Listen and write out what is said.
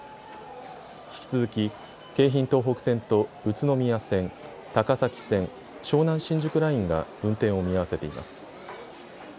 引き続き京浜東北線と宇都宮線、高崎線、湘南新宿ラインが運転を見合わせています。